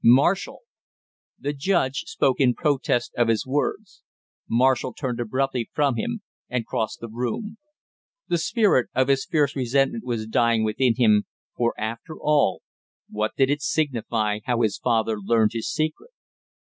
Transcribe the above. "Marshall!" The judge spoke in protest of his words. Marshall turned abruptly from him and crossed the room. The spirit of his fierce resentment was dying within him, for, after all, what did it signify how his father learned his secret!